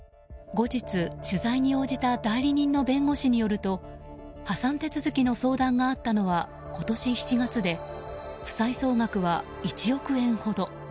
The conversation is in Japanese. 後日、取材に応じた代理人の弁護士によると破産手続きの相談があったのは今年７月で負債総額は１億円ほど。